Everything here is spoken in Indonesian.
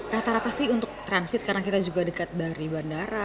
rata rata sih untuk transit karena kita juga dekat dari bandara